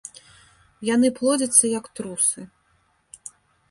Яны плодзяцца як трусы.